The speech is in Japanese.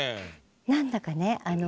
何だかね